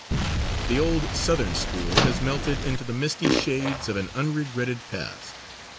The old Southern school has melted into the misty shades of an unregretted past.